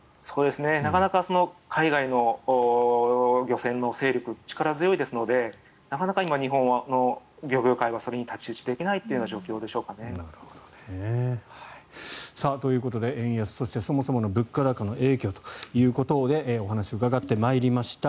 なかなか海外の漁船の勢力、力強いですのでなかなか今の日本の漁業界はそれに太刀打ちできないという状況でしょうかね。ということで円安そして、そもそもの物価高の影響ということでお話を伺ってまいりました。